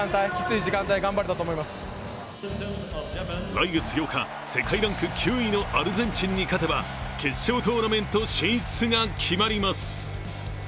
来月８日、世界ランク９位のアルゼンチンに勝てば決勝トーナメント進出が決まります。